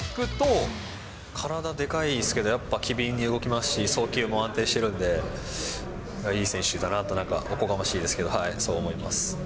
体でかいですけど、やっぱ機敏に動きますし、送球も安定してるんで、いい選手だなと、なんか、おこがましいですけど、そう思います。